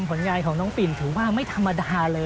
ผลงานของน้องปิ่นถือว่าไม่ธรรมดาเลย